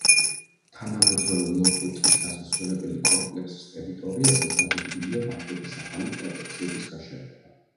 თანამედროვე ლოპოტის დასასვენებელი კომპლექსის ტერიტორიაზე დაგეგმილია ვარდების ახალი პლანტაციების გაშენება.